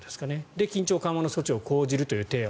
で、緊張緩和の措置を講じるという提案。